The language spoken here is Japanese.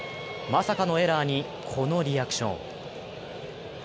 まさかのエラーに、このリアクション。